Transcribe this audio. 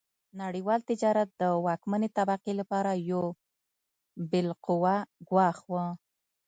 نړیوال تجارت د واکمنې طبقې لپاره یو بالقوه ګواښ و.